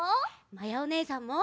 まやおねえさんも！